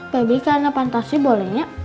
bebi karena pantasnya bolehnya